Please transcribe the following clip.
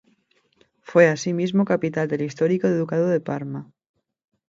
Fue asimismo, capital del histórico Ducado de Parma.